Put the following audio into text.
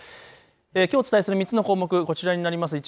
きょうお伝えする３つの項目、こちらになります。